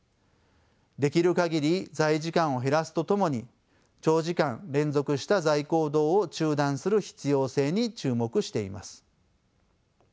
できる限り座位時間を減らすとともに長時間連続した座位行動を中断する必要性に注目しています。